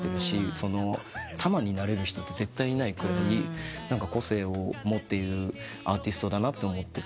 たまになれる人って絶対いないくらい個性を持っているアーティストだなと思ってて。